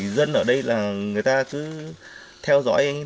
bởi vì dân ở đây là người ta cứ theo dõi bảo vệ rất là khó